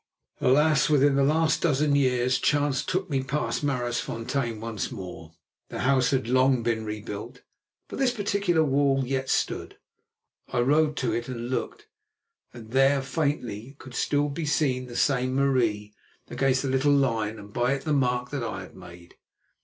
Alas! Within the last dozen years chance took me past Maraisfontein once more. The house had long been rebuilt, but this particular wall yet stood. I rode to it and looked, and there faintly could still be seen the name Marie, against the little line, and by it the mark that I had made.